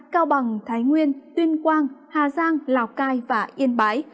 cao bằng thái nguyên tuyên quang hà giang lào cai và yên bái